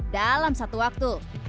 dalam satu hari